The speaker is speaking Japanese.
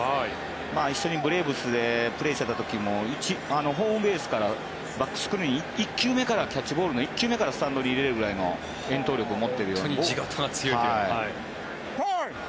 一緒にブレーブスでプレーしていた時もホームベースからバックスクリーンキャッチボールで１球目からスタンドに入れるくらいの本当に地肩が強いと。